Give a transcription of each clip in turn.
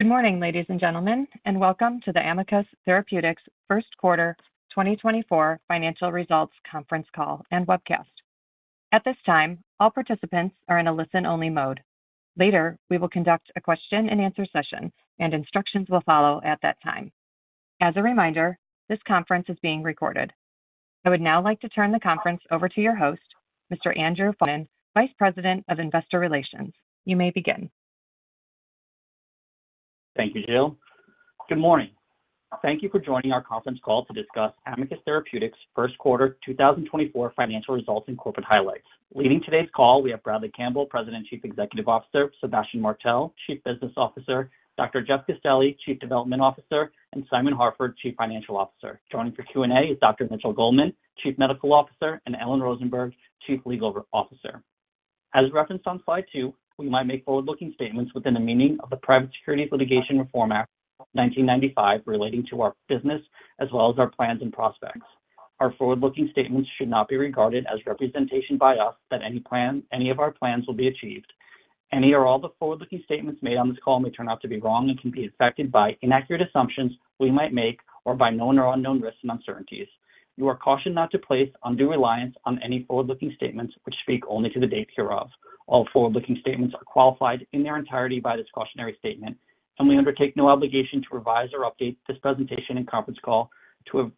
Good morning, ladies and gentlemen, and welcome to the Amicus Therapeutics First Quarter 2024 Financial Results Conference Call and webcast. At this time, all participants are in a listen-only mode. Later, we will conduct a question-and-answer session, and instructions will follow at that time. As a reminder, this conference is being recorded. I would now like to turn the conference over to your host, Mr. Andrew Faughnan, Vice President of Investor Relations. You may begin. Thank you, Jill. Good morning. Thank you for joining our conference call to discuss Amicus Therapeutics First Quarter 2024 Financial Results and corporate highlights. Leading today's call, we have Bradley Campbell, President Chief Executive Officer; Sébastien Martel, Chief Business Officer; Dr. Jeff Castelli, Chief Development Officer; and Simon Harford, Chief Financial Officer. Joining for Q&A is Dr. Mitchell Goldman, Chief Medical Officer; and Ellen Rosenberg, Chief Legal Officer. As referenced on slide 2, we might make forward-looking statements within the meaning of the Private Securities Litigation Reform Act 1995 relating to our business as well as our plans and prospects. Our forward-looking statements should not be regarded as representation by us that any of our plans will be achieved. Any or all the forward-looking statements made on this call may turn out to be wrong and can be affected by inaccurate assumptions we might make or by known or unknown risks and uncertainties. You are cautioned not to place undue reliance on any forward-looking statements which speak only to the date hereof. All forward-looking statements are qualified in their entirety by this cautionary statement, and we undertake no obligation to revise or update this presentation and conference call to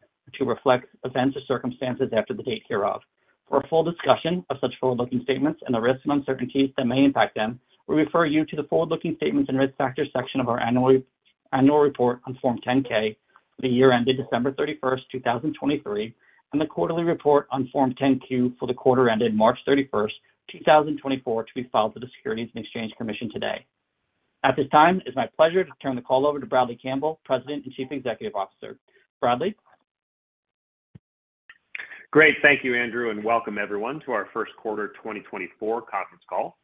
reflect events or circumstances after the date hereof. For a full discussion of such forward-looking statements and the risks and uncertainties that may impact them, we refer you to the Forward-Looking Statements and Risk Factors section of our annual report on Form 10-K for the year ended December 31, 2023, and the Quarterly Report on Form 10-Q for the quarter ended March 31, 2024, to be filed with the Securities and Exchange Commission today. At this time, it is my pleasure to turn the call over to Bradley Campbell, President and Chief Executive Officer. Bradley? Great. Thank you, Andrew, and welcome, everyone, to our First Quarter 2024 conference call.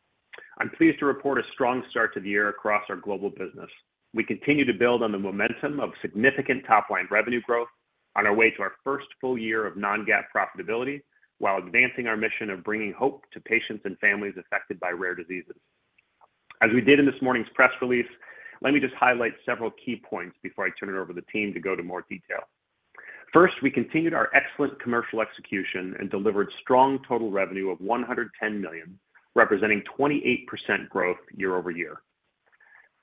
I'm pleased to report a strong start to the year across our global business. We continue to build on the momentum of significant top-line revenue growth on our way to our first full year of non-GAAP profitability while advancing our mission of bringing hope to patients and families affected by rare diseases. As we did in this morning's press release, let me just highlight several key points before I turn it over to the team to go to more detail. First, we continued our excellent commercial execution and delivered strong total revenue of $110 million, representing 28% growth year-over-year.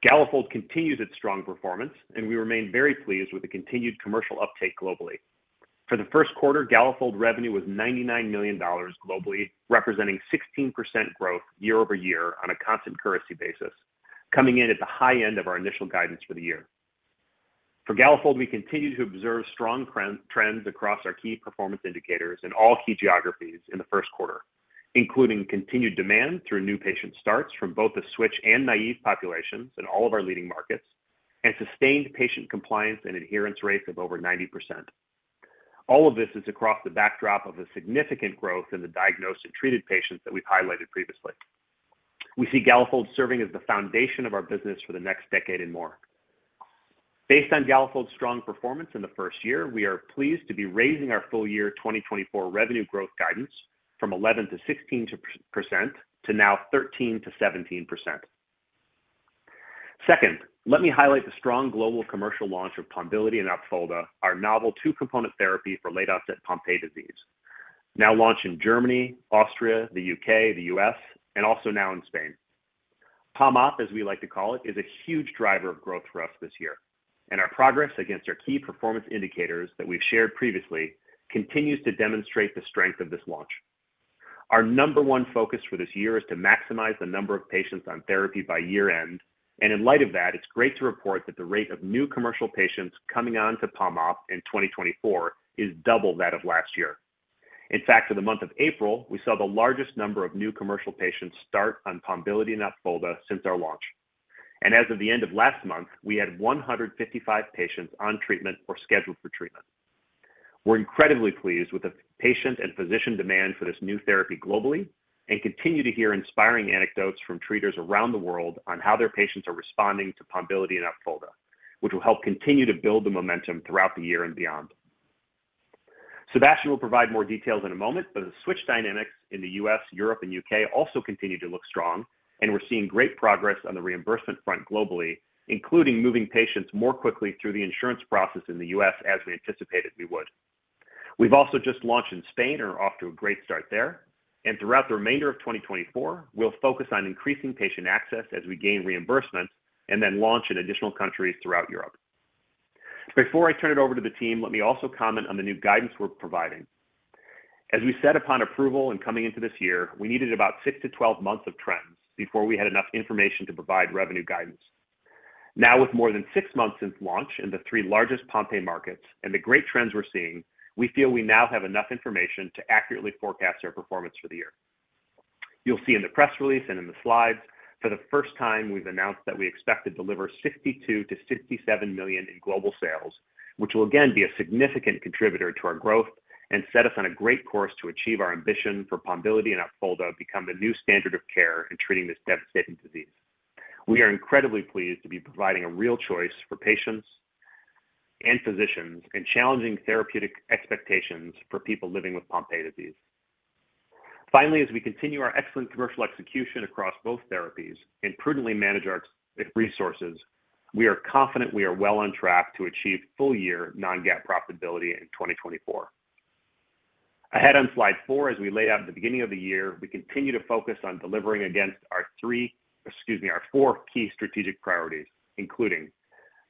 Galafold continues its strong performance, and we remain very pleased with the continued commercial uptake globally. For the first quarter, Galafold revenue was $99 million globally, representing 16% growth year-over-year on a constant currency basis, coming in at the high end of our initial guidance for the year. For Galafold, we continue to observe strong trends across our key performance indicators in all key geographies in the first quarter, including continued demand through new patient starts from both the Switch and Naive populations in all of our leading markets, and sustained patient compliance and adherence rates of over 90%. All of this is across the backdrop of the significant growth in the diagnosed and treated patients that we've highlighted previously. We see Galafold serving as the foundation of our business for the next decade and more. Based on Galafold's strong performance in the first year, we are pleased to be raising our full year 2024 revenue growth guidance from 11%-16% to now 13%-17%. Second, let me highlight the strong global commercial launch of Pombiliti and Opfolda, our novel two-component therapy for late-onset Pompe disease, now launched in Germany, Austria, the UK, the US, and also now in Spain. PomOp, as we like to call it, is a huge driver of growth for us this year, and our progress against our key performance indicators that we've shared previously continues to demonstrate the strength of this launch. Our number one focus for this year is to maximize the number of patients on therapy by year-end, and in light of that, it's great to report that the rate of new commercial patients coming on to PomOp in 2024 is double that of last year. In fact, for the month of April, we saw the largest number of new commercial patients start on Pombiliti and Opfolda since our launch. As of the end of last month, we had 155 patients on treatment or scheduled for treatment. We're incredibly pleased with the patient and physician demand for this new therapy globally and continue to hear inspiring anecdotes from treaters around the world on how their patients are responding to Pombiliti and Opfolda, which will help continue to build the momentum throughout the year and beyond. Sebastien will provide more details in a moment, but the Switch dynamics in the U.S., Europe, and U.K. also continue to look strong, and we're seeing great progress on the reimbursement front globally, including moving patients more quickly through the insurance process in the U.S. as we anticipated we would. We've also just launched in Spain and are off to a great start there. Throughout the remainder of 2024, we'll focus on increasing patient access as we gain reimbursements and then launch in additional countries throughout Europe. Before I turn it over to the team, let me also comment on the new guidance we're providing. As we set upon approval and coming into this year, we needed about six to 12 months of trends before we had enough information to provide revenue guidance. Now, with more than six months since launch in the three largest Pompe markets and the great trends we're seeing, we feel we now have enough information to accurately forecast our performance for the year. You'll see in the press release and in the slides, for the first time, we've announced that we expect to deliver $62-$67 million in global sales, which will again be a significant contributor to our growth and set us on a great course to achieve our ambition for Pombiliti and Opfolda to become the new standard of care in treating this devastating disease. We are incredibly pleased to be providing a real choice for patients and physicians and challenging therapeutic expectations for people living with Pompe disease. Finally, as we continue our excellent commercial execution across both therapies and prudently manage our resources, we are confident we are well on track to achieve full-year Non-GAAP profitability in 2024. Ahead on slide 4, as we laid out at the beginning of the year, we continue to focus on delivering against our three excuse me, our four key strategic priorities, including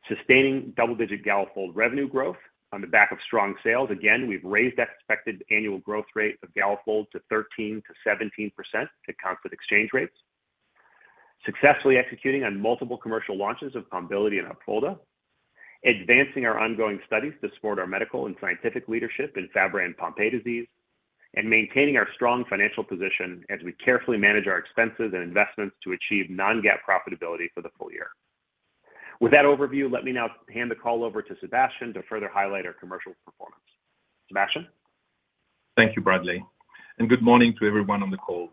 sustaining double-digit Galafold revenue growth on the back of strong sales. Again, we've raised the expected annual growth rate of Galafold to 13%-17% to constant exchange rates, successfully executing on multiple commercial launches of Pombiliti and Opfolda, advancing our ongoing studies to support our medical and scientific leadership in Fabry and Pompe disease, and maintaining our strong financial position as we carefully manage our expenses and investments to achieve non-GAAP profitability for the full year. With that overview, let me now hand the call over to Sébastien to further highlight our commercial performance. Sébastien? Thank you, Bradley, and good morning to everyone on the call.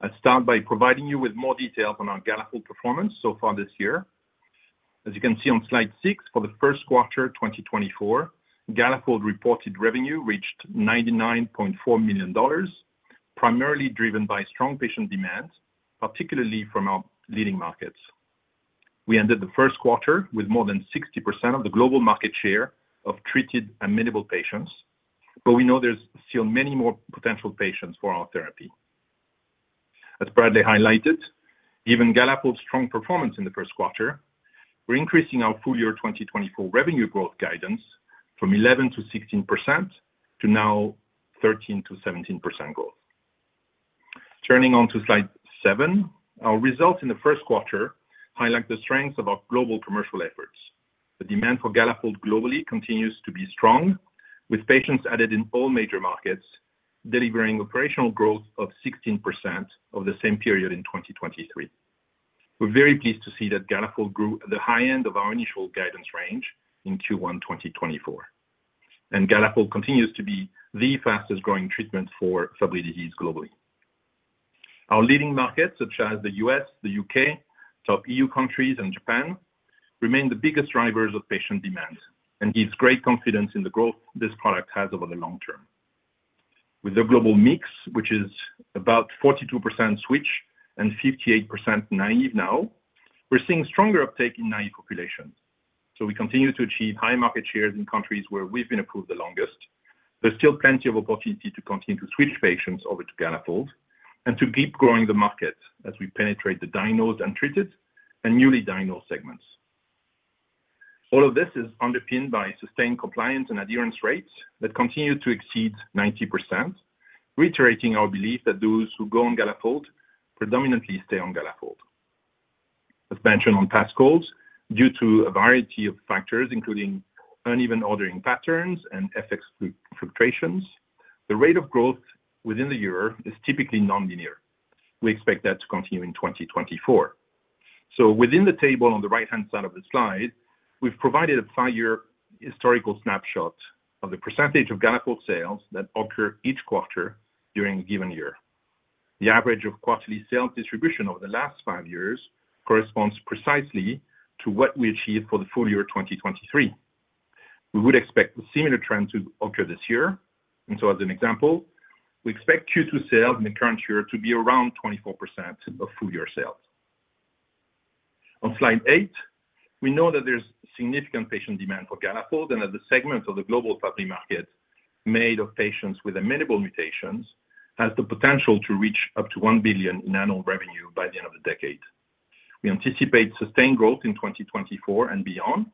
I'll start by providing you with more details on our Galafold performance so far this year. As you can see on slide 6, for the first quarter 2024, Galafold reported revenue reached $99.4 million, primarily driven by strong patient demand, particularly from our leading markets. We ended the first quarter with more than 60% of the global market share of treated amenable patients, but we know there's still many more potential patients for our therapy. As Bradley highlighted, given Galafold's strong performance in the first quarter, we're increasing our full-year 2024 revenue growth guidance from 11%-16% to now 13%-17% growth. Turning on to slide 7, our results in the first quarter highlight the strengths of our global commercial efforts. The demand for Galafold globally continues to be strong, with patients added in all major markets delivering operational growth of 16% of the same period in 2023. We're very pleased to see that Galafold grew at the high end of our initial guidance range in Q1 2024, and Galafold continues to be the fastest-growing treatment for Fabry disease globally. Our leading markets, such as the U.S., the U.K., top E.U. countries, and Japan, remain the biggest drivers of patient demand and give great confidence in the growth this product has over the long term. With the global mix, which is about 42% Switch and 58% Naive now, we're seeing stronger uptake in Naive populations. So we continue to achieve high market shares in countries where we've been approved the longest. There's still plenty of opportunity to continue to switch patients over to Galafold and to keep growing the market as we penetrate the diagnosed and treated and newly diagnosed segments. All of this is underpinned by sustained compliance and adherence rates that continue to exceed 90%, reiterating our belief that those who go on Galafold predominantly stay on Galafold. As mentioned on past calls, due to a variety of factors, including uneven ordering patterns and effects fluctuations, the rate of growth within the year is typically non-linear. We expect that to continue in 2024. Within the table on the right-hand side of the slide, we've provided a five-year historical snapshot of the percentage of Galafold sales that occur each quarter during a given year. The average of quarterly sales distribution over the last five years corresponds precisely to what we achieved for the full year 2023. We would expect a similar trend to occur this year. So as an example, we expect Q2 sales in the current year to be around 24% of full-year sales. On slide 8, we know that there's significant patient demand for Galafold and that the segment of the global Fabry market made of patients with amenable mutations has the potential to reach up to $1 billion in annual revenue by the end of the decade. We anticipate sustained growth in 2024 and beyond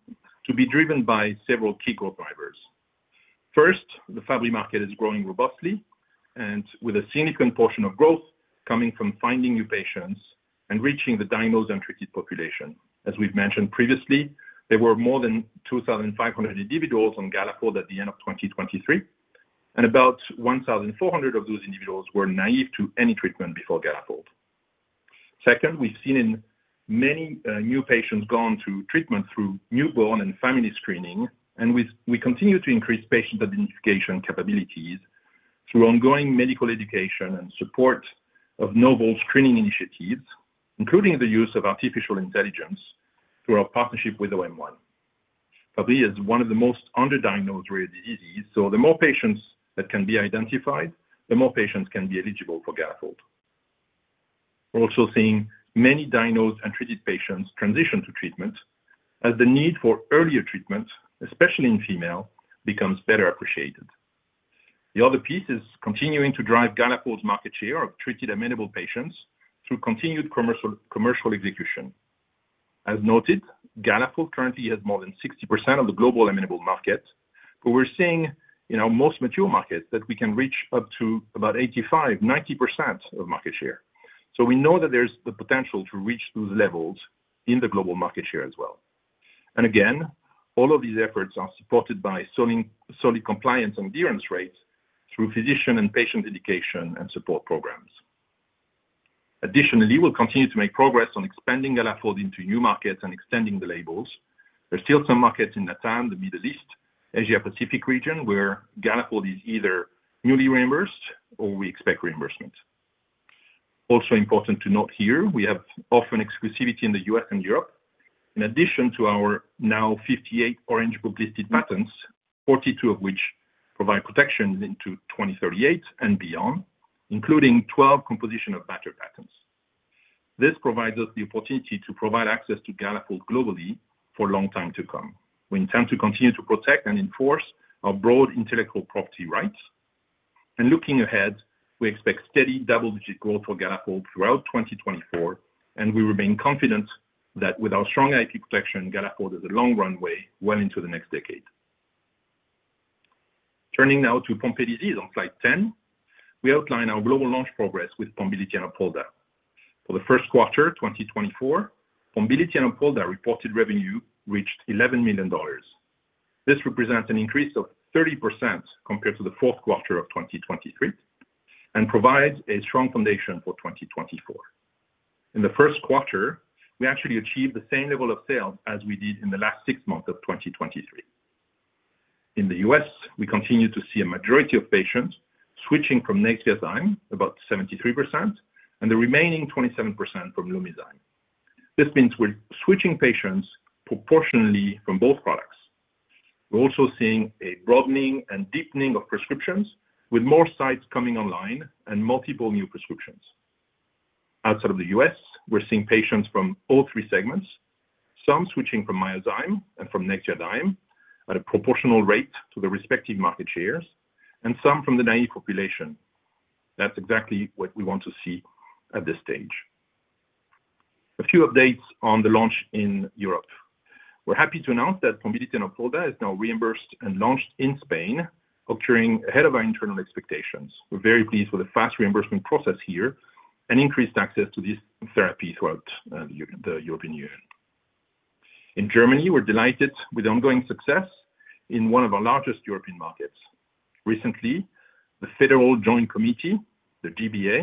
to be driven by several key growth drivers. First, the Fabry market is growing robustly and with a significant portion of growth coming from finding new patients and reaching the diagnosed and treated population. As we've mentioned previously, there were more than 2,500 individuals on Galafold at the end of 2023, and about 1,400 of those individuals were naive to any treatment before Galafold. Second, we've seen many new patients go on to treatment through newborn and family screening, and we continue to increase patient identification capabilities through ongoing medical education and support of novel screening initiatives, including the use of artificial intelligence through our partnership with OM1. Fabry is one of the most underdiagnosed rare diseases, so the more patients that can be identified, the more patients can be eligible for Galafold. We're also seeing many diagnosed and treated patients transition to treatment as the need for earlier treatment, especially in female, becomes better appreciated. The other piece is continuing to drive Galafold's market share of treated amenable patients through continued commercial execution. As noted, Galafold currently has more than 60% of the global amenable market, but we're seeing in our most mature markets that we can reach up to about 85%-90% of market share. So we know that there's the potential to reach those levels in the global market share as well. Again, all of these efforts are supported by solid compliance and adherence rates through physician and patient education and support programs. Additionally, we'll continue to make progress on expanding Galafold into new markets and extending the labels. There's still some markets in LatAm, the Middle East, Asia-Pacific region where Galafold is either newly reimbursed or we expect reimbursement. Also important to note here, we have orphan exclusivity in the U.S. and Europe. In addition to our now 58 Orange Book-listed patents, 42 of which provide protection into 2038 and beyond, including 12 composition of matter patents. This provides us the opportunity to provide access to Galafold globally for a long time to come. We intend to continue to protect and enforce our broad intellectual property rights. Looking ahead, we expect steady double-digit growth for Galafold throughout 2024, and we remain confident that with our strong IP protection, Galafold has a long runway well into the next decade. Turning now to Pompe disease on slide 10, we outline our global launch progress with Pombiliti and Opfolda. For the first quarter 2024, Pombiliti and Opfolda reported revenue reached $11 million. This represents an increase of 30% compared to the fourth quarter of 2023 and provides a strong foundation for 2024. In the first quarter, we actually achieved the same level of sales as we did in the last six months of 2023. In the U.S., we continue to see a majority of patients switching from Nexviazyme, about 73%, and the remaining 27% from Lumizyme. This means we're switching patients proportionally from both products. We're also seeing a broadening and deepening of prescriptions with more sites coming online and multiple new prescriptions. Outside of the U.S., we're seeing patients from all three segments, some switching from Myozyme and from Nexviazyme at a proportional rate to the respective market shares, and some from the Naive population. That's exactly what we want to see at this stage. A few updates on the launch in Europe. We're happy to announce that Pombiliti and Opfolda is now reimbursed and launched in Spain, occurring ahead of our internal expectations. We're very pleased with the fast reimbursement process here and increased access to these therapies throughout the European Union. In Germany, we're delighted with ongoing success in one of our largest European markets. Recently, the Federal Joint Committee, the G-BA,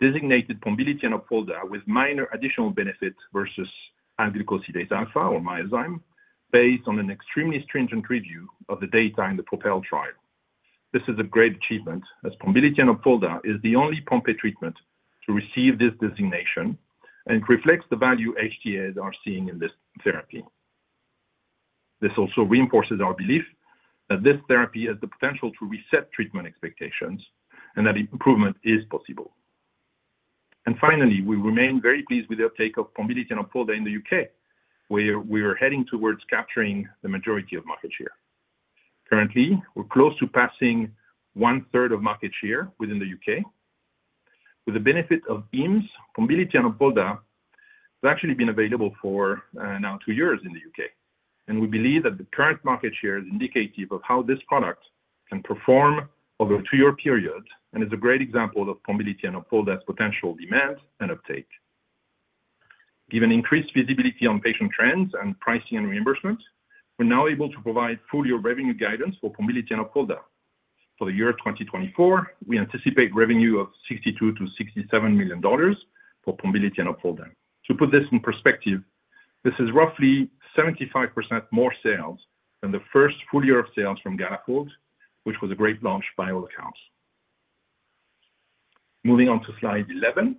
designated Pombiliti and Opfolda with minor additional benefit versus alglucosidase alfa or Myozyme based on an extremely stringent review of the data in the PROPEL trial. This is a great achievement as Pombiliti and Opfolda is the only Pompe treatment to receive this designation, and it reflects the value HTAs are seeing in this therapy. This also reinforces our belief that this therapy has the potential to reset treatment expectations and that improvement is possible. And finally, we remain very pleased with the uptake of Pombiliti and Opfolda in the UK, where we are heading towards capturing the majority of market share. Currently, we're close to passing one-third of market share within the UK. With the benefit of IMS, Pombiliti and Opfolda has actually been available for now 2 years in the UK, and we believe that the current market share is indicative of how this product can perform over a 2-year period and is a great example of Pombiliti and Opfolda's potential demand and uptake. Given increased visibility on patient trends and pricing and reimbursement, we're now able to provide full-year revenue guidance for Pombiliti and Opfolda. For the year 2024, we anticipate revenue of $62-$67 million for Pombiliti and Opfolda. To put this in perspective, this is roughly 75% more sales than the first full year of sales from Galafold, which was a great launch by all accounts. Moving on to slide 11.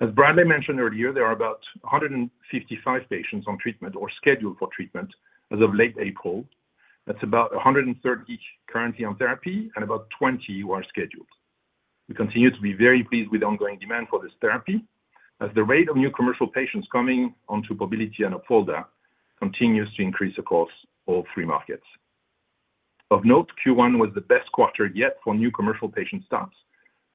As Bradley mentioned earlier, there are about 155 patients on treatment or scheduled for treatment as of late April. That's about 130 currently on therapy and about 20 who are scheduled. We continue to be very pleased with ongoing demand for this therapy as the rate of new commercial patients coming onto Pombiliti and Opfolda continues to increase across all three markets. Of note, Q1 was the best quarter yet for new commercial patient starts,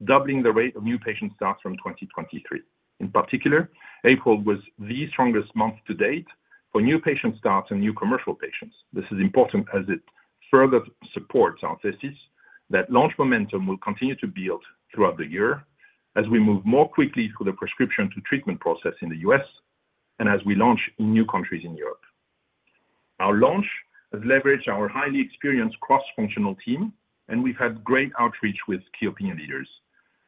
doubling the rate of new patient starts from 2023. In particular, April was the strongest month to date for new patient starts and new commercial patients. This is important as it further supports our thesis that launch momentum will continue to build throughout the year as we move more quickly through the prescription-to-treatment process in the U.S. and as we launch in new countries in Europe. Our launch has leveraged our highly experienced cross-functional team, and we've had great outreach with key opinion leaders.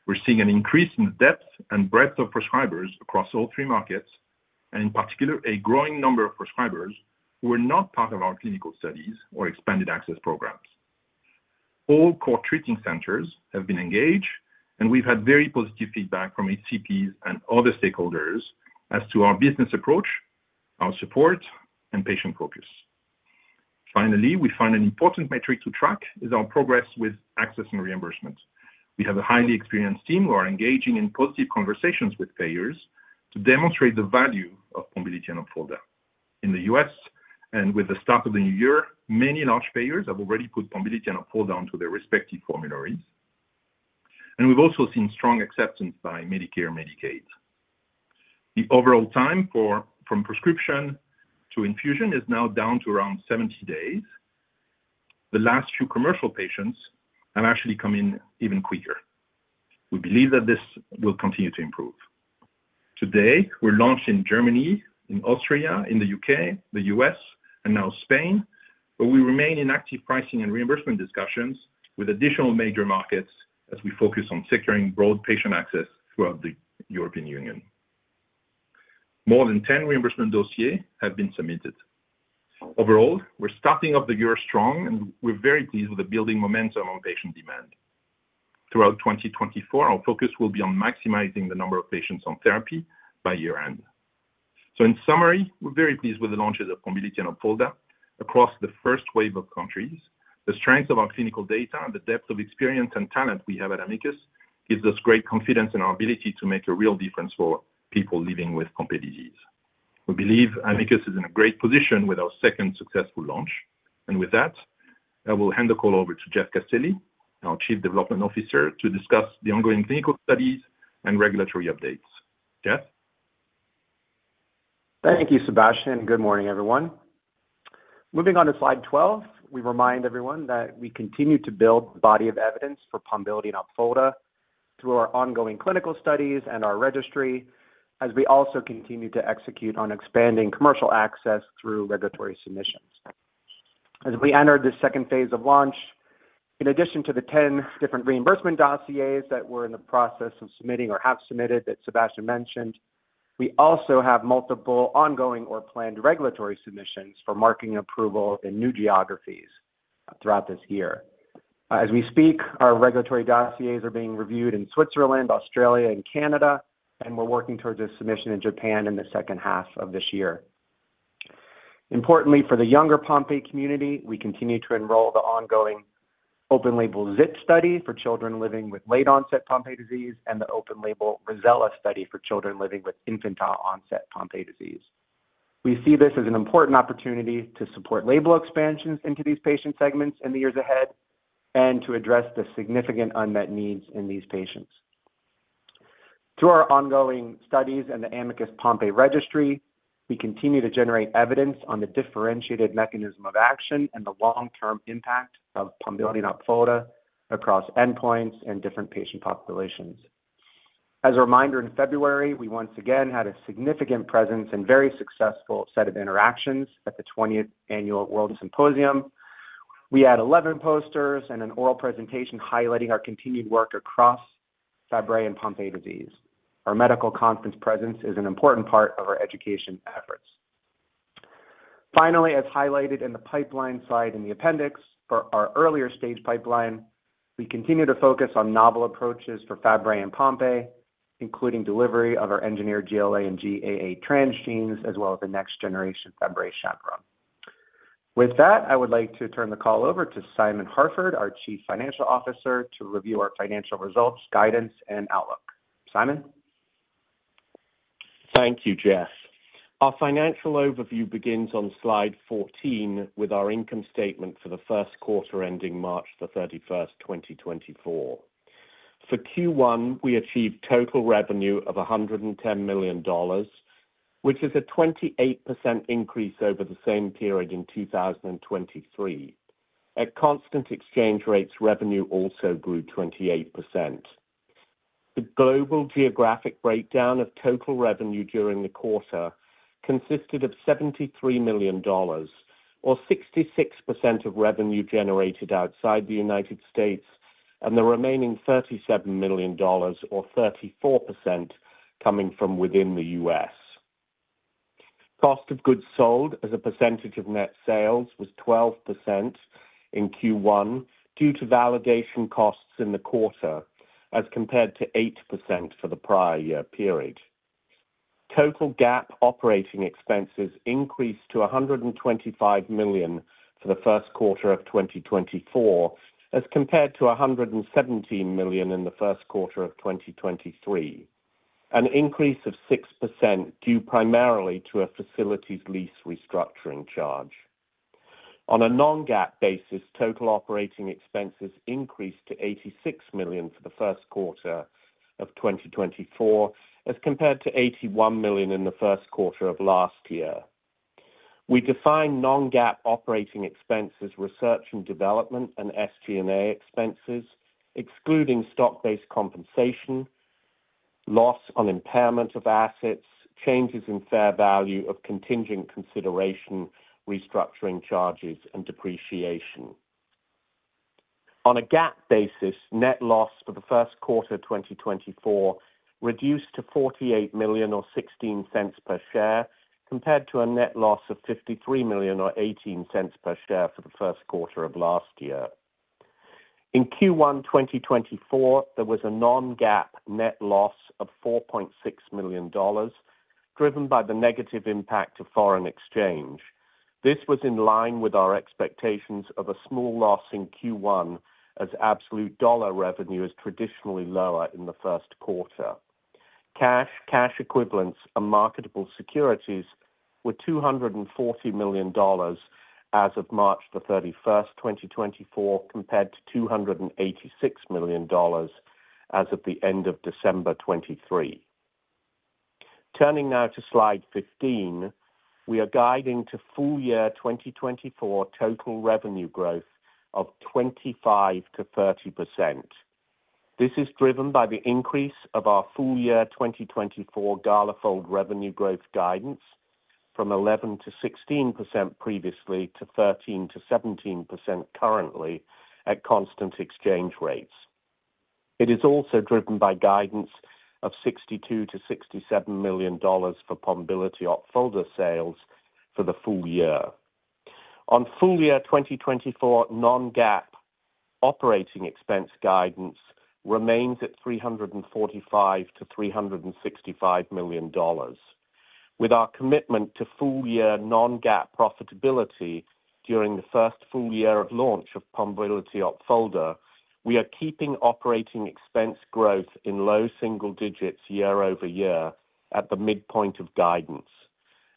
We're seeing an increase in the depth and breadth of prescribers across all three markets and, in particular, a growing number of prescribers who are not part of our clinical studies or expanded access programs. All core treating centers have been engaged, and we've had very positive feedback from ACPs and other stakeholders as to our business approach, our support, and patient focus. Finally, we find an important metric to track is our progress with access and reimbursement. We have a highly experienced team who are engaging in positive conversations with payers to demonstrate the value of Pombiliti and Opfolda. In the U.S. and with the start of the new year, many large payers have already put Pombiliti and Opfolda onto their respective formularies. And we've also seen strong acceptance by Medicare and Medicaid. The overall time from prescription to infusion is now down to around 70 days. The last few commercial patients have actually come in even quicker. We believe that this will continue to improve. Today, we're launched in Germany, in Austria, in the U.K., the U.S., and now Spain, but we remain in active pricing and reimbursement discussions with additional major markets as we focus on securing broad patient access throughout the European Union. More than 10 reimbursement dossiers have been submitted. Overall, we're starting off the year strong, and we're very pleased with the building momentum on patient demand. Throughout 2024, our focus will be on maximizing the number of patients on therapy by year-end. In summary, we're very pleased with the launches of Pombiliti and Opfolda across the first wave of countries. The strength of our clinical data and the depth of experience and talent we have at Amicus gives us great confidence in our ability to make a real difference for people living with Pompe disease. We believe Amicus is in a great position with our second successful launch. And with that, I will hand the call over to Jeff Castelli, our Chief Development Officer, to discuss the ongoing clinical studies and regulatory updates. Jeff? Thank you, Sebastien. Good morning, everyone. Moving on to slide 12, we remind everyone that we continue to build the body of evidence for Pombiliti and Opfolda through our ongoing clinical studies and our registry as we also continue to execute on expanding commercial access through regulatory submissions. As we enter the second phase of launch, in addition to the 10 different reimbursement dossiers that we're in the process of submitting or have submitted that Sebastien mentioned, we also have multiple ongoing or planned regulatory submissions for marketing approval in new geographies throughout this year. As we speak, our regulatory dossiers are being reviewed in Switzerland, Australia, and Canada, and we're working towards a submission in Japan in the second half of this year. Importantly, for the younger Pompe community, we continue to enroll the ongoing open-label ZIP study for children living with late-onset Pompe disease and the open-label Rossella study for children living with infantile-onset Pompe disease. We see this as an important opportunity to support label expansions into these patient segments in the years ahead and to address the significant unmet needs in these patients. Through our ongoing studies and the Amicus Pompe registry, we continue to generate evidence on the differentiated mechanism of action and the long-term impact of Pombiliti and Opfolda across endpoints and different patient populations. As a reminder, in February, we once again had a significant presence and very successful set of interactions at the 20th Annual World Symposium. We had 11 posters and an oral presentation highlighting our continued work across Fabry and Pompe disease. Our medical conference presence is an important part of our education efforts. Finally, as highlighted in the pipeline slide in the appendix for our earlier stage pipeline, we continue to focus on novel approaches for Fabry and Pompe, including delivery of our engineered GLA and GAA transgenes as well as the next-generation Fabry chaperone. With that, I would like to turn the call over to Simon Harford, our Chief Financial Officer, to review our financial results, guidance, and outlook. Simon? Thank you, Jeff. Our financial overview begins on slide 14 with our income statement for the first quarter ending March 31st, 2024. For Q1, we achieved total revenue of $110 million, which is a 28% increase over the same period in 2023. At constant exchange rates, revenue also grew 28%. The global geographic breakdown of total revenue during the quarter consisted of $73 million or 66% of revenue generated outside the United States and the remaining $37 million or 34% coming from within the US. Cost of goods sold as a percentage of net sales was 12% in Q1 due to validation costs in the quarter as compared to 8% for the prior year period. Total GAAP operating expenses increased to $125 million for the first quarter of 2024 as compared to $117 million in the first quarter of 2023, an increase of 6% due primarily to a facilities lease restructuring charge. On a non-GAAP basis, total operating expenses increased to $86 million for the first quarter of 2024 as compared to $81 million in the first quarter of last year. We define non-GAAP operating expenses research and development and SG&A expenses, excluding stock-based compensation, loss on impairment of assets, changes in fair value of contingent consideration restructuring charges, and depreciation. On a GAAP basis, net loss for the first quarter 2024 reduced to $48 million or $0.16 per share compared to a net loss of $53 million or $0.18 per share for the first quarter of last year. In Q1 2024, there was a non-GAAP net loss of $4.6 million driven by the negative impact of foreign exchange. This was in line with our expectations of a small loss in Q1 as absolute dollar revenue is traditionally lower in the first quarter. Cash, cash equivalents, and marketable securities were $240 million as of March 31st, 2024, compared to $286 million as of the end of December 2023. Turning now to slide 15, we are guiding to full-year 2024 total revenue growth of 25%-30%. This is driven by the increase of our full-year 2024 Galafold revenue growth guidance from 11%-16% previously to 13%-17% currently at constant exchange rates. It is also driven by guidance of $62 million-$67 million for Pombiliti Opfolda sales for the full year. On full-year 2024 non-GAAP operating expense guidance remains at $345 million-$365 million. With our commitment to full-year non-GAAP profitability during the first full year of launch of Pombiliti Opfolda, we are keeping operating expense growth in low single digits year-over-year at the midpoint of guidance.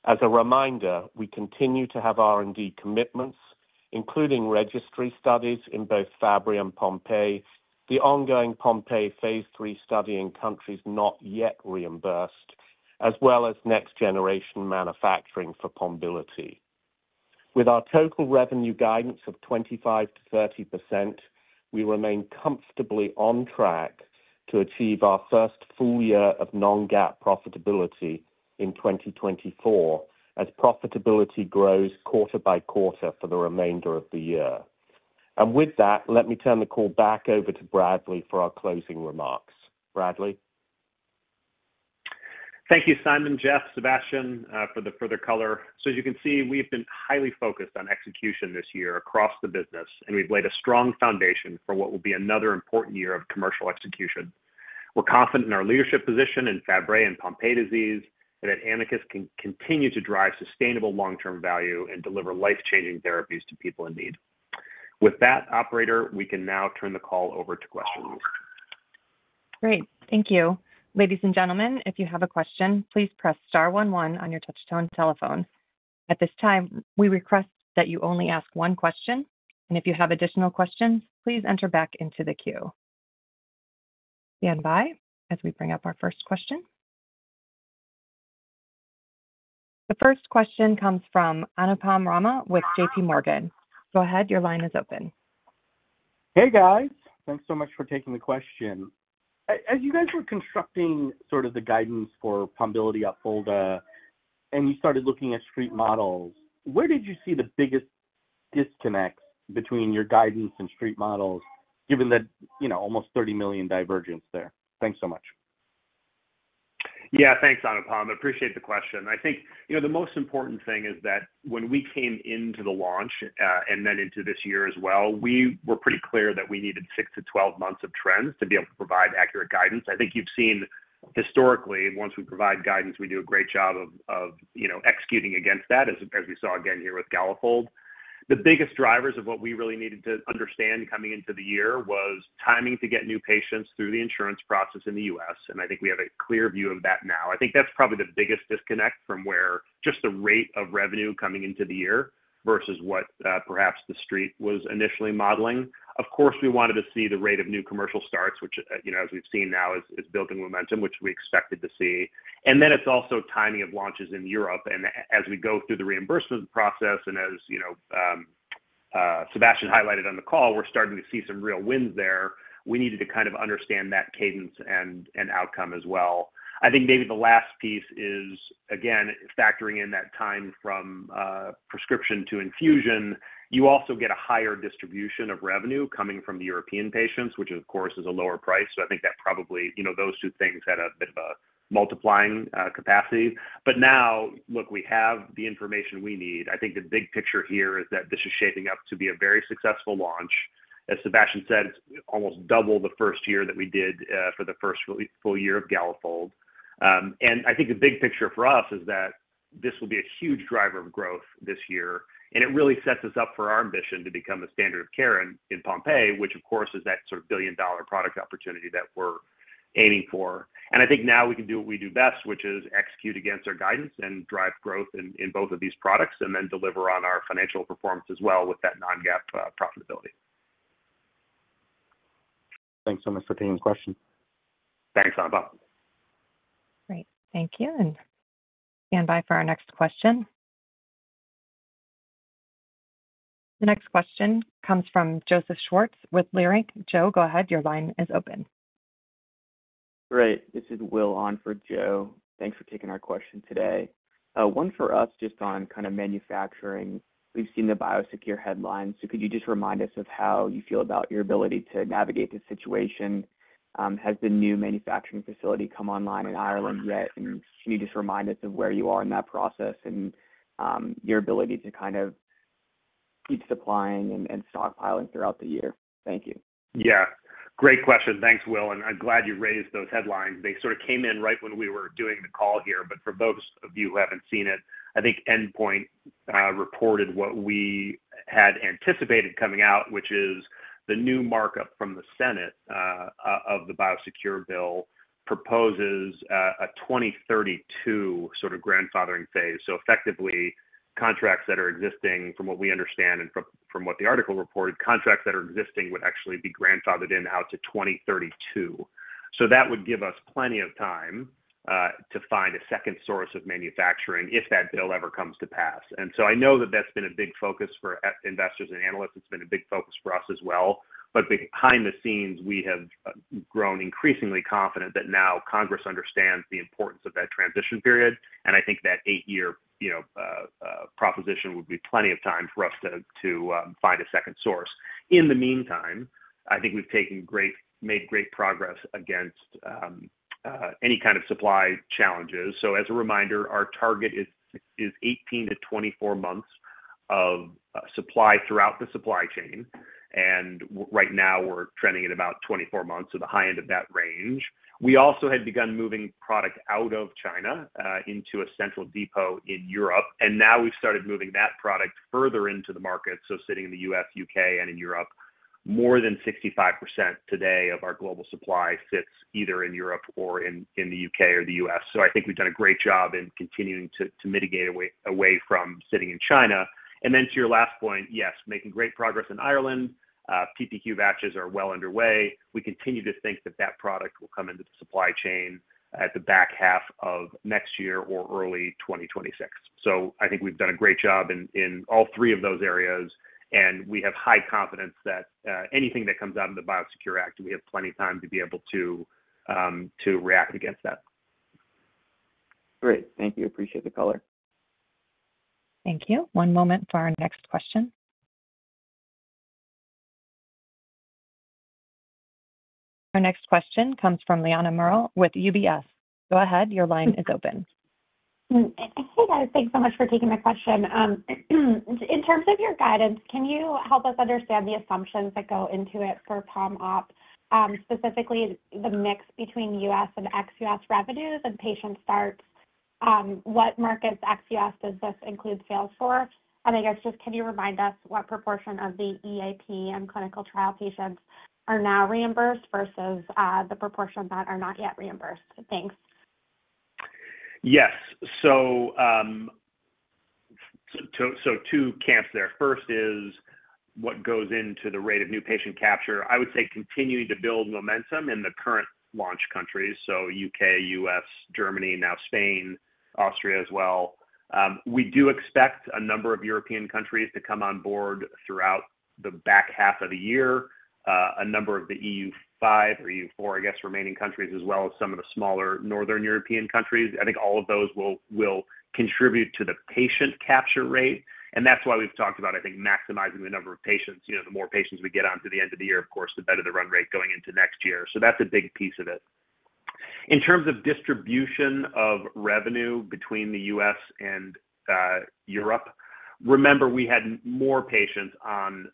As a reminder, we continue to have R&D commitments, including registry studies in both Fabry and Pompe, the ongoing Pompe Phase 3 study in countries not yet reimbursed, as well as next-generation manufacturing for Pombiliti. With our total revenue guidance of 25%-30%, we remain comfortably on track to achieve our first full year of non-GAAP profitability in 2024 as profitability grows quarter by quarter for the remainder of the year. With that, let me turn the call back over to Bradley for our closing remarks. Bradley? Thank you, Simon, Jeff, Sébastien, for the further color. As you can see, we've been highly focused on execution this year across the business, and we've laid a strong foundation for what will be another important year of commercial execution. We're confident in our leadership position in Fabry and Pompe disease and that Amicus can continue to drive sustainable long-term value and deliver life-changing therapies to people in need. With that, operator, we can now turn the call over to questions. Great. Thank you. Ladies and gentlemen, if you have a question, please press star one one on your touchtone telephone. At this time, we request that you only ask one question, and if you have additional questions, please enter back into the queue. Stand by, as we bring up our first question. The first question comes from Anupam Rama with J.P. Morgan. Go ahead. Your line is open. Hey, guys. Thanks so much for taking the question. As you guys were constructing sort of the guidance for Pombiliti Opfolda and you started looking at street models, where did you see the biggest disconnects between your guidance and street models, given that almost $30 million divergence there? Thanks so much. Yeah. Thanks, Anupam. Appreciate the question. I think the most important thing is that when we came into the launch and then into this year as well, we were pretty clear that we needed 6 to 12 months of trends to be able to provide accurate guidance. I think you've seen historically, once we provide guidance, we do a great job of executing against that, as we saw again here with Galafold. The biggest drivers of what we really needed to understand coming into the year was timing to get new patients through the insurance process in the U.S., and I think we have a clear view of that now. I think that's probably the biggest disconnect from just the rate of revenue coming into the year versus what perhaps the street was initially modeling. Of course, we wanted to see the rate of new commercial starts, which, as we've seen now, is building momentum, which we expected to see. Then it's also timing of launches in Europe. As we go through the reimbursement process and as Sébastien highlighted on the call, we're starting to see some real wins there. We needed to kind of understand that cadence and outcome as well. I think maybe the last piece is, again, factoring in that time from prescription to infusion. You also get a higher distribution of revenue coming from the European patients, which, of course, is a lower price. So I think that probably those two things had a bit of a multiplying capacity. But now, look, we have the information we need. I think the big picture here is that this is shaping up to be a very successful launch. As Sebastien said, it's almost double the first year that we did for the first full year of Galafold. And I think the big picture for us is that this will be a huge driver of growth this year, and it really sets us up for our ambition to become a standard of care in Pompe, which, of course, is that sort of billion-dollar product opportunity that we're aiming for. I think now we can do what we do best, which is execute against our guidance and drive growth in both of these products and then deliver on our financial performance as well with that non-GAAP profitability. Thanks so much for taking the question. Thanks, Anupam. Great. Thank you. And Sian Vai for our next question. The next question comes from Joseph Schwartz with Leerink. Joe, go ahead. Your line is open. Great. This is Will on for Joe. Thanks for taking our question today. One for us just on kind of manufacturing. We've seen the BIOSECURE headlines, so could you just remind us of how you feel about your ability to navigate this situation? Has the new manufacturing facility come online in Ireland yet? Can you just remind us of where you are in that process and your ability to kind of keep supplying and stockpiling throughout the year? Thank you. Yeah. Great question. Thanks, Will. And I'm glad you raised those headlines. They sort of came in right when we were doing the call here. But for those of you who haven't seen it, I think Endpoint reported what we had anticipated coming out, which is the new markup from the Senate of the BIOSECURE Act proposes a 2032 sort of grandfathering phase. So effectively, contracts that are existing from what we understand and from what the article reported, contracts that are existing would actually be grandfathered in out to 2032. So that would give us plenty of time to find a second source of manufacturing if that bill ever comes to pass. So I know that that's been a big focus for investors and analysts. It's been a big focus for us as well. But behind the scenes, we have grown increasingly confident that now Congress understands the importance of that transition period. I think that 8-year proposition would be plenty of time for us to find a second source. In the meantime, I think we've made great progress against any kind of supply challenges. As a reminder, our target is 18-24 months of supply throughout the supply chain. And right now, we're trending at about 24 months, so the high end of that range. We also had begun moving product out of China into a central depot in Europe. And now we've started moving that product further into the market. So sitting in the U.S., U.K., and in Europe, more than 65% today of our global supply sits either in Europe or in the U.K. or the U.S. So I think we've done a great job in continuing to mitigate away from sitting in China. And then to your last point, yes, making great progress in Ireland. PPQ batches are well underway. We continue to think that that product will come into the supply chain at the back half of next year or early 2026. So I think we've done a great job in all three of those areas, and we have high confidence that anything that comes out of the BIOSECURE Act, we have plenty of time to be able to react against that. Great. Thank you. Appreciate the color. Thank you. One moment for our next question. Our next question comes from Eliana Merle with UBS. Go ahead. Your line is open. Hey, guys. Thanks so much for taking the question. In terms of your guidance, can you help us understand the assumptions that go into it for PomOp, specifically the mix between U.S. and ex-U.S. revenues and patient starts? What markets ex-U.S. does this include sales for? And I guess just can you remind us what proportion of the EAP and clinical trial patients are now reimbursed versus the proportion that are not yet reimbursed? Thanks. Yes. So two camps there. First is what goes into the rate of new patient capture. I would say continuing to build momentum in the current launch countries. So U.K., U.S., Germany, now Spain, Austria as well. We do expect a number of European countries to come on board throughout the back half of the year, a number of the EU5 or EU4, I guess, remaining countries, as well as some of the smaller northern European countries. I think all of those will contribute to the patient capture rate. And that's why we've talked about, I think, maximizing the number of patients. The more patients we get onto the end of the year, of course, the better the run rate going into next year. So that's a big piece of it. In terms of distribution of revenue between the U.S. and Europe, remember, we had more patients on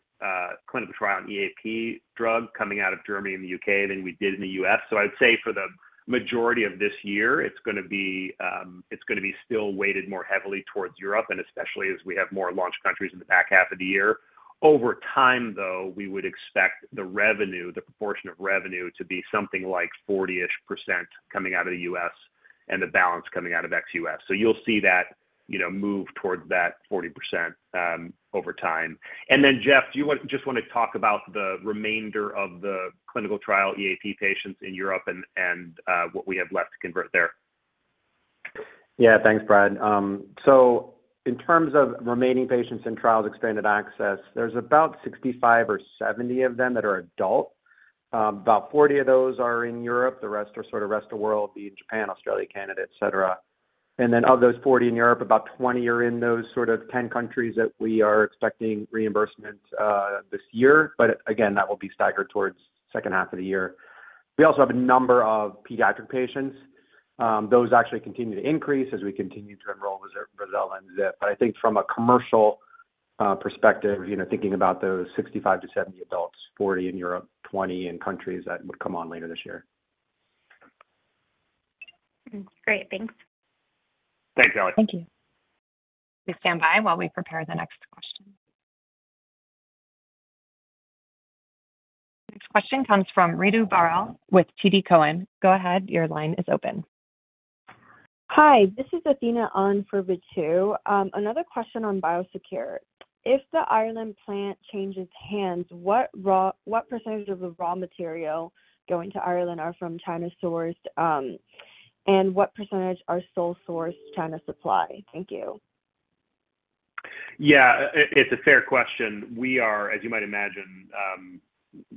clinical trial and EAP drug coming out of Germany and the U.K. than we did in the U.S. So I would say for the majority of this year, it's going to be still weighted more heavily towards Europe, and especially as we have more launch countries in the back half of the year. Over time, though, we would expect the revenue, the proportion of revenue, to be something like 40-ish% coming out of the US and the balance coming out of ex-US. So you'll see that move towards that 40% over time. And then, Jeff, do you just want to talk about the remainder of the clinical trial EAP patients in Europe and what we have left to convert there? Yeah. Thanks, Brad. So in terms of remaining patients in trials expanded access, there's about 65 or 70 of them that are adult. About 40 of those are in Europe. The rest are sort of the rest of the world, being Japan, Australia, Canada, etc. And then of those 40 in Europe, about 20 are in those sort of 10 countries that we are expecting reimbursement this year. But again, that will be staggered towards second half of the year. We also have a number of pediatric patients. Those actually continue to increase as we continue to enroll Brazil and ZIP. But I think from a commercial perspective, thinking about those 65-70 adults, 40 in Europe, 20 in countries that would come on later this year. Great. Thanks. Thanks, Ellie. Thank you. Standby while we prepare the next question. Next question comes from Ritu Baral with TD Cowen. Go ahead. Your line is open. Hi. This is Athena on for Vic Chou. Another question on BIOSECURE. If the Ireland plant changes hands, what percentage of the raw material going to Ireland are from China sourced, and what percentage are sole-sourced China supply? Thank you. Yeah. It's a fair question. As you might imagine,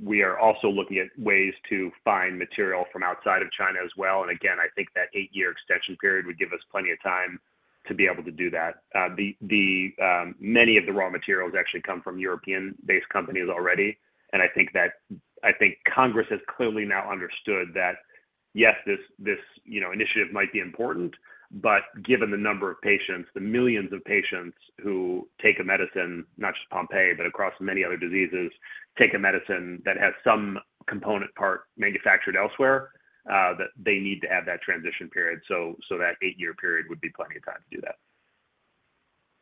we are also looking at ways to find material from outside of China as well. And again, I think that 8-year extension period would give us plenty of time to be able to do that. Many of the raw materials actually come from European-based companies already. And I think Congress has clearly now understood that, yes, this initiative might be important, but given the number of patients, the millions of patients who take a medicine, not just Pompe but across many other diseases, take a medicine that has some component part manufactured elsewhere, that they need to have that transition period. So that 8-year period would be plenty of time to do that.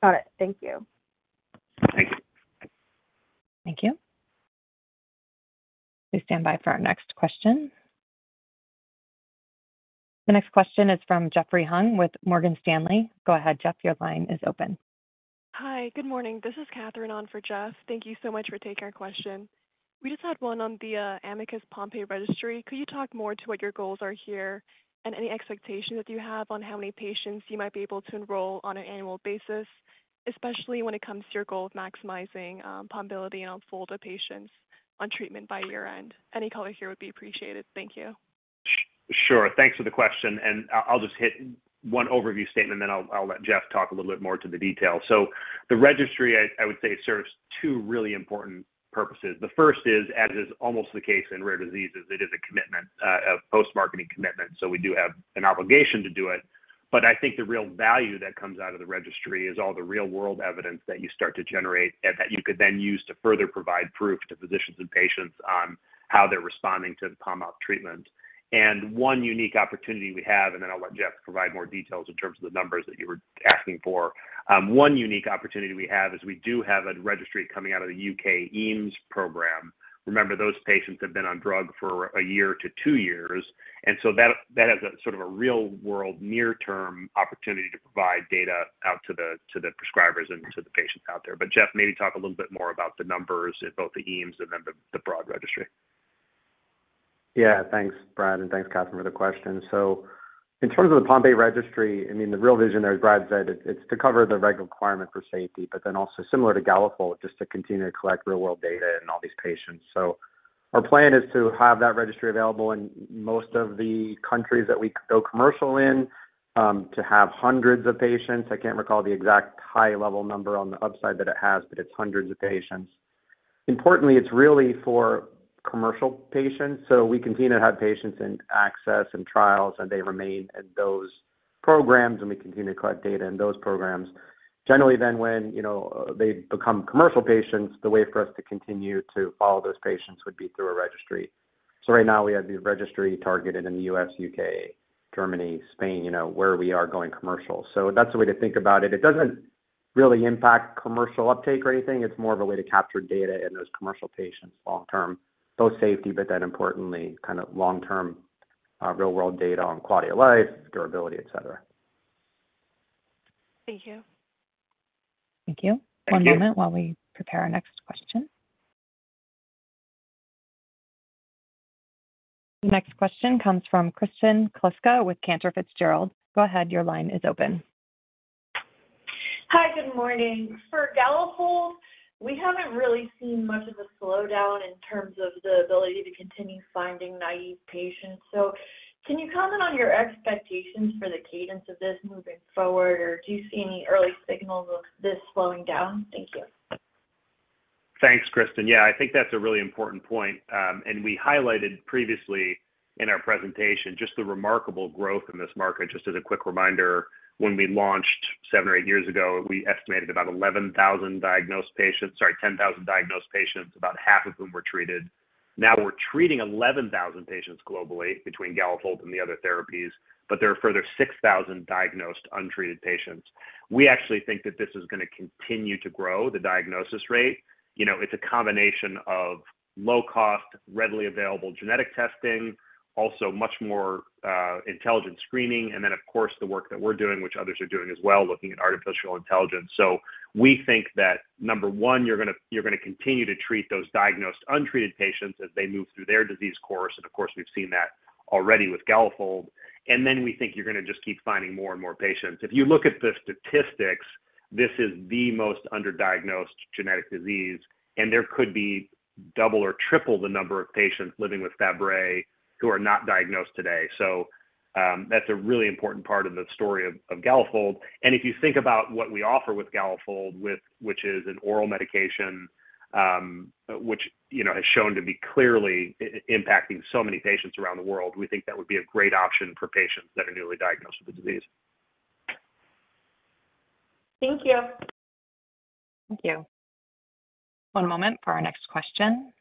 Got it. Thank you. Thank you. Thank you. Standby for our next question. The next question is from Jeffrey Hung with Morgan Stanley. Go ahead, Jeff. Your line is open. Hi. Good morning. This is Catherine on for Jeff. Thank you so muchfor taking our question. We just had one on the Amicus Pompe registry. Could you talk more to what your goals are here and any expectations that you have on how many patients you might be able to enroll on an annual basis, especially when it comes to your goal of maximizing Pombiliti and Opfolda patients on treatment by year-end? Any color here would be appreciated. Thank you. Sure. Thanks for the question. And I'll just hit one overview statement, then I'll let Jeff talk a little bit more to the details. So the registry, I would say, serves two really important purposes. The first is, as is almost the case in rare diseases, it is a commitment, a post-marketing commitment. So we do have an obligation to do it. But I think the real value that comes out of the registry is all the real-world evidence that you start to generate that you could then use to further provide proof to physicians and patients on how they're responding to the PomOp treatment. And one unique opportunity we have and then I'll let Jeff provide more details in terms of the numbers that you were asking for. One unique opportunity we have is we do have a registry coming out of the UK EAMS program. Remember, those patients have been on drug for 1 year to 2 years. And so that has sort of a real-world near-term opportunity to provide data out to the prescribers and to the patients out there. But Jeff, maybe talk a little bit more about the numbers at both the EAMS and then the broad registry. Yeah. Thanks, Brad. And thanks, Catherine, for the question. So in terms of the Pompe registry, I mean, the real vision there, as Brad said, it's to cover the regulatory requirement for safety, but then also, similar to Galafold, just to continue to collect real-world data and all these patients. So our plan is to have that registry available in most of the countries that we go commercial in to have hundreds of patients. I can't recall the exact high-level number on the website that it has, but it's hundreds of patients. Importantly, it's really for commercial patients. So we continue to have patients in access and trials, and they remain in those programs, and we continue to collect data in those programs. Generally, then when they become commercial patients, the way for us to continue to follow those patients would be through a registry. Right now, we have the registry targeted in the U.S., U.K., Germany, Spain, where we are going commercial. That's a way to think about it. It doesn't really impact commercial uptake or anything. It's more of a way to capture data in those commercial patients long-term, both safety, but then importantly, kind of long-term real-world data on quality of life, durability, etc. Thank you. Thank you. One moment while we prepare our next question. The next question comes from Kristen Kluska with Cantor Fitzgerald. Go ahead. Your line is open. Hi. Good morning. For Galafold, we haven't really seen much of a slowdown in terms of the ability to continue finding naive patients. So can you comment on your expectations for the cadence of this moving forward, or do you see any early signals of this slowing down? Thank you. Thanks, Kristen. Yeah. I think that's a really important point. And we highlighted previously in our presentation just the remarkable growth in this market. Just as a quick reminder, when we launched 7 or 8 years ago, we estimated about 11,000 diagnosed patients sorry, 10,000 diagnosed patients, about half of whom were treated. Now we're treating 11,000 patients globally between Galafold and the other therapies, but there are further 6,000 diagnosed, untreated patients. We actually think that this is going to continue to grow, the diagnosis rate. It's a combination of low-cost, readily available genetic testing, also much more intelligent screening, and then, of course, the work that we're doing, which others are doing as well, looking at artificial intelligence. So we think that, number one, you're going to continue to treat those diagnosed, untreated patients as they move through their disease course. And of course, we've seen that already with Galafold. And then we think you're going to just keep finding more and more patients. If you look at the statistics, this is the most underdiagnosed genetic disease, and there could be double or triple the number of patients living with Fabry who are not diagnosed today. So that's a really important part of the story of Galafold. And if you think about what we offer with Galafold, which is an oral medication which has shown to be clearly impacting so many patients around the world, we think that would be a great option for patients that are newly diagnosed with the disease. Thank you. Thank you. One moment for our next question.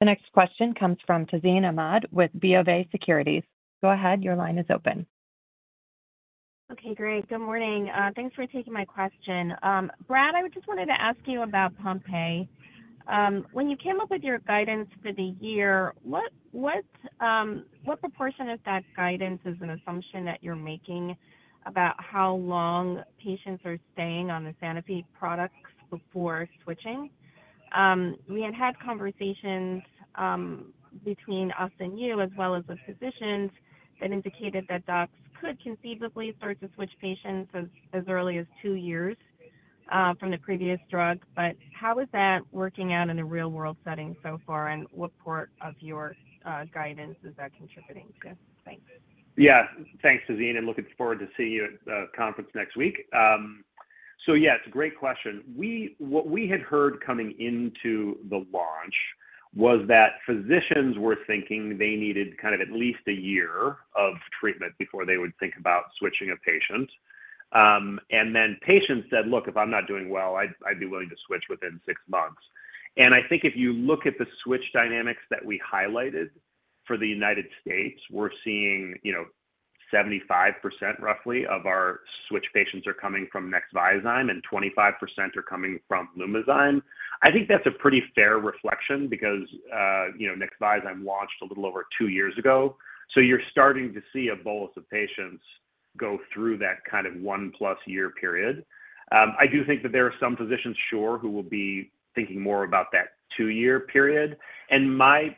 The next question comes from Tazeen Ahmad with BofA Securities. Go ahead. Your line is open. Okay. Great. Good morning. Thanks for taking my question. Brad, I just wanted to ask you about Pompe. When you came up with your guidance for the year, what proportion of that guidance is an assumption that you're making about how long patients are staying on the Sanofi products before switching? We had had conversations between us and you, as well as with physicians, that indicated that docs could conceivably start to switch patients as early as two years from the previous drug. But how is that working out in the real-world setting so far, and what part of your guidance is that contributing to? Thanks. Yeah. Thanks, Tazeen. And looking forward to seeing you at the conference next week. So yeah, it's a great question. What we had heard coming into the launch was that physicians were thinking they needed kind of at least a year of treatment before they would think about switching a patient. Then patients said, "Look, if I'm not doing well, I'd be willing to switch within six months." And I think if you look at the switch dynamics that we highlighted for the United States, we're seeing 75% roughly of our switch patients are coming from Nexviazyme, and 25% are coming from Lumizyme. I think that's a pretty fair reflection because Nexviazyme launched a little over two years ago. So you're starting to see a bolus of patients go through that kind of one-plus-year period. I do think that there are some physicians, sure, who will be thinking more about that two-year period. My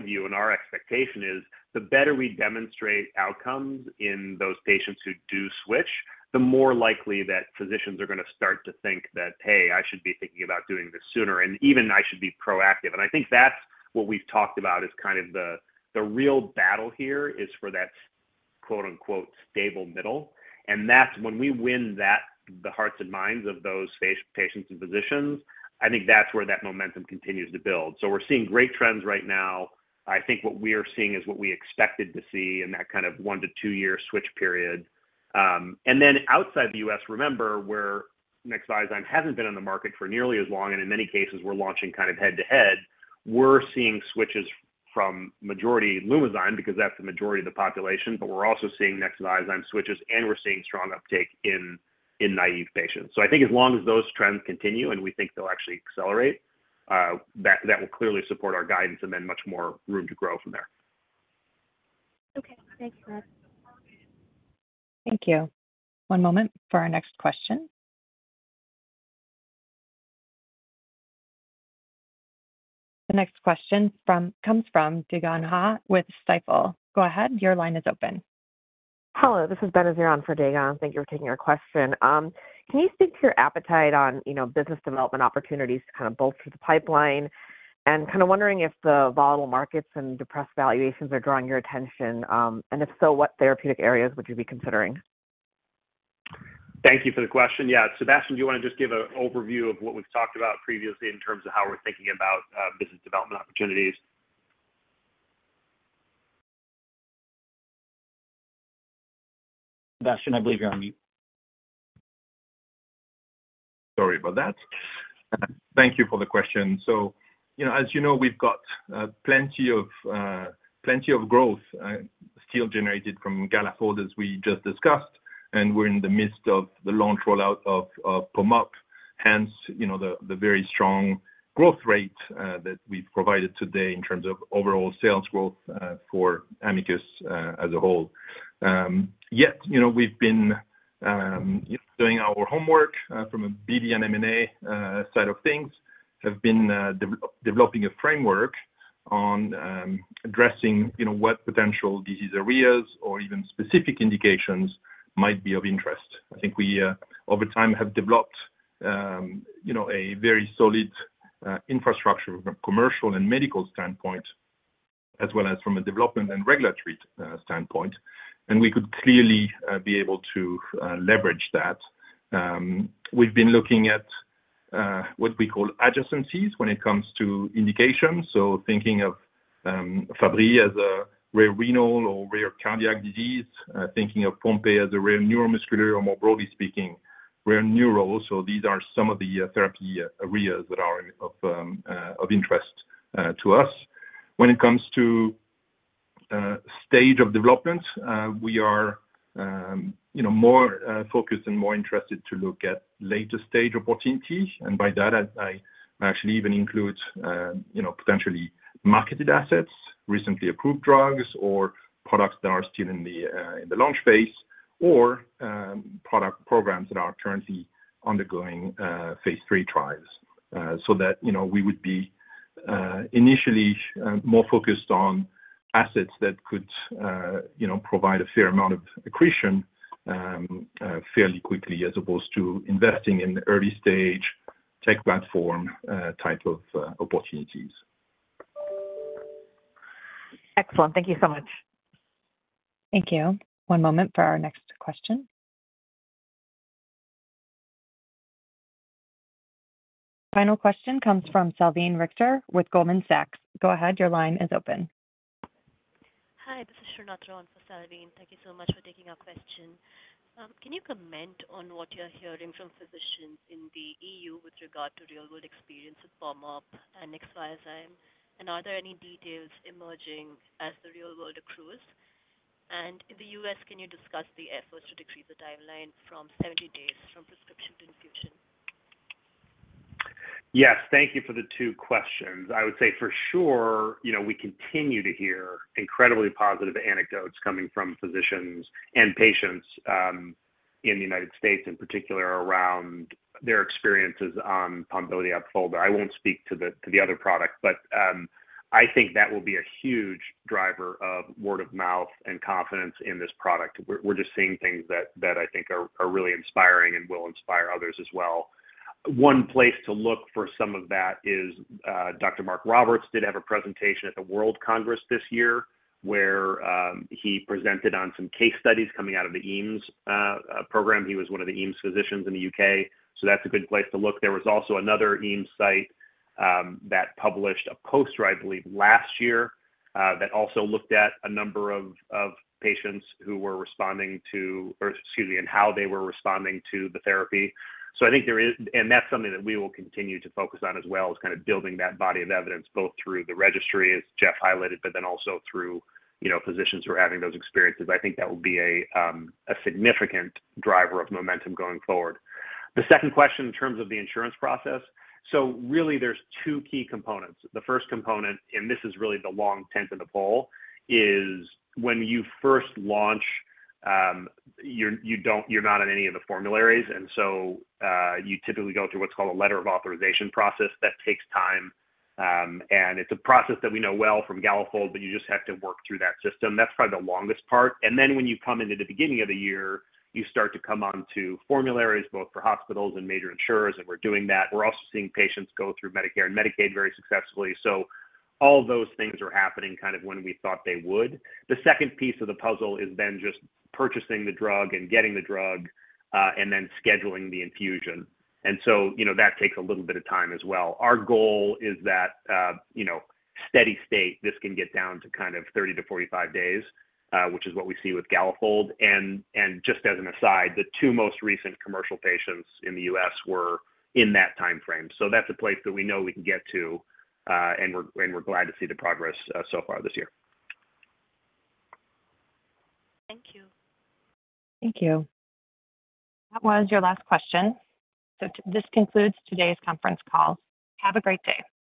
view and our expectation is the better we demonstrate outcomes in those patients who do switch, the more likely that physicians are going to start to think that, "Hey, I should be thinking about doing this sooner, and even I should be proactive." I think that's what we've talked about as kind of the real battle here is for that "stable middle." When we win the hearts and minds of those patients and physicians, I think that's where that momentum continues to build. We're seeing great trends right now. I think what we are seeing is what we expected to see in that kind of 1-2-year switch period. And then outside the U.S., remember, where Nexviazyme hasn't been on the market for nearly as long, and in many cases, we're launching kind of head-to-head, we're seeing switches from majority Lumizyme because that's the majority of the population. But we're also seeing Nexviazyme switches, and we're seeing strong uptake in naive patients. So I think as long as those trends continue and we think they'll actually accelerate, that will clearly support our guidance and then much more room to grow from there. Okay. Thanks, Brad. Thank you. One moment for our next question. The next question comes from Dae Gon Ha with Stifel. Go ahead. Your line is open. Hello. This is Ben for Dae Gon. Thank you for taking our question. Can you speak to your appetite on business development opportunities to kind of bolster the pipeline? Kind of wondering if the volatile markets and depressed valuations are drawing your attention, and if so, what therapeutic areas would you be considering? Thank you for the question. Yeah. Sebastien, do you want to just give an overview of what we've talked about previously in terms of how we're thinking about business development opportunities? Sebastien, I believe you're on mute. Sorry about that. Thank you for the question. So as you know, we've got plenty of growth still generated from Galafold as we just discussed, and we're in the midst of the launch rollout of PomOp. Hence, the very strong growth rate that we've provided today in terms of overall sales growth for Amicus as a whole. Yet we've been doing our homework from a BD and M&A side of things, have been developing a framework on addressing what potential disease areas or even specific indications might be of interest. I think we, over time, have developed a very solid infrastructure from a commercial and medical standpoint as well as from a development and regulatory standpoint. And we could clearly be able to leverage that. We've been looking at what we call adjacencies when it comes to indications. So thinking of Fabry as a rare renal or rare cardiac disease, thinking of Pompe as a rare neuromuscular or, more broadly speaking, rare neural. So these are some of the therapy areas that are of interest to us. When it comes to stage of development, we are more focused and more interested to look at later-stage opportunities. And by that, I actually even include potentially marketed assets, recently approved drugs, or products that are still in the launch phase, or product programs that are currently undergoing Phase 3 trials. So that we would be initially more focused on assets that could provide a fair amount of accretion fairly quickly as opposed to investing in early-stage tech platform type of opportunities. Excellent. Thank you so much. Thank you. One moment for our next question. Final question comes from Salveen Richter with Goldman Sachs. Go ahead. Your line is open. Hi. This is Shuran Yu for Salveen. Thank you so much for taking our question. Can you comment on what you're hearing from physicians in the EU with regard to real-world experience with PomOp and Nexviazyme? And are there any details emerging as the real world accrues? In the US, can you discuss the efforts to decrease the timeline from 70 days from prescription to infusion? Yes. Thank you for the two questions. I would say, for sure, we continue to hear incredibly positive anecdotes coming from physicians and patients in the United States, in particular, around their experiences on Pombiliti Opfolda. I won't speak to the other product, but I think that will be a huge driver of word of mouth and confidence in this product. We're just seeing things that I think are really inspiring and will inspire others as well. One place to look for some of that is Dr. Mark Roberts did have a presentation at the World Congress this year where he presented on some case studies coming out of the EAMS program. He was one of the EAMS physicians in the U.K. That's a good place to look. There was also another EAMS site that published a post, I believe, last year that also looked at a number of patients who were responding to or excuse me, and how they were responding to the therapy. So I think there is and that's something that we will continue to focus on as well, is kind of building that body of evidence both through the registry, as Jeff highlighted, but then also through physicians who are having those experiences. I think that will be a significant driver of momentum going forward. The second question in terms of the insurance process so really, there's two key components. The first component, and this is really the long pole in the tent, is when you first launch, you're not on any of the formularies. And so you typically go through what's called a letter of authorization process. That takes time. It's a process that we know well from Galafold, but you just have to work through that system. That's probably the longest part. Then when you come into the beginning of the year, you start to come onto formularies both for hospitals and major insurers, and we're doing that. We're also seeing patients go through Medicare and Medicaid very successfully. So all those things are happening kind of when we thought they would. The second piece of the puzzle is then just purchasing the drug and getting the drug and then scheduling the infusion. And so that takes a little bit of time as well. Our goal is that steady state, this can get down to kind of 30-45 days, which is what we see with Galafold. And just as an aside, the two most recent commercial patients in the U.S. were in that timeframe. So that's a place that we know we can get to, and we're glad to see the progress so far this year. Thank you. Thank you. That was your last question. So this concludes today's conference call. Have a great day.